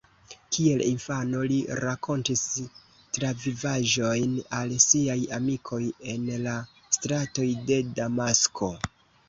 Kiel infano li rakontis travivaĵojn al siaj amikoj en la stratoj de Damasko.